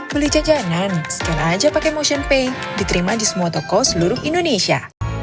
beli jajanan scan aja pake motionpay diterima di semua toko seluruh indonesia